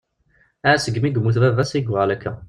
Ahat segmi i yemmut baba-s i yuɣal akka.